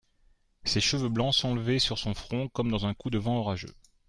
Ses cheveux blancs s'enlévaient sur son front comme dans un coup de vent orageux.